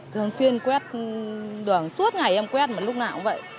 thường xuyên quét đường suốt ngày em quét một lúc nào cũng vậy